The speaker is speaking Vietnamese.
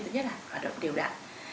thứ nhất là hoạt động điều đạn